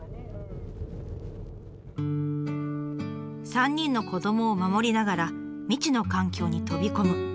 ３人の子どもを守りながら未知の環境に飛び込む。